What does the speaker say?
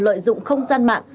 lợi dụng không gian mạng